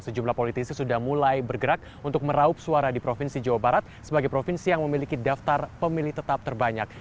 sejumlah politisi sudah mulai bergerak untuk meraup suara di provinsi jawa barat sebagai provinsi yang memiliki daftar pemilih tetap terbanyak